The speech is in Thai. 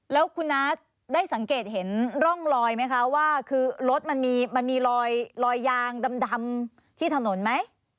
แล้วคุณน้าได้สังเกตเห็นร่องรอยไหมคะว่าคือรถมันมีรอยยางดำที่ถนนไหม